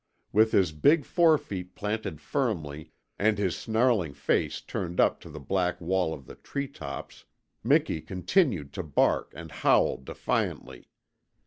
With his big forefeet planted firmly and his snarling face turned up to the black wall of the tree tops Miki continued to bark and howl defiantly.